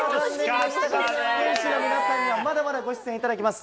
選手の皆さんにはまだまだご出演いただきます。